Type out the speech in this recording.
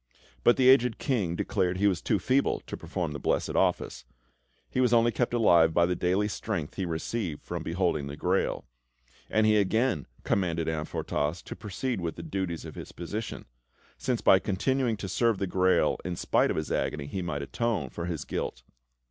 But the aged King declared he was too feeble to perform the blessed office, and was only kept alive by the daily strength he received from beholding the Grail; and he again commanded Amfortas to proceed with the duties of his position, since by continuing to serve the Grail in spite of his agony, he might atone for his guilt.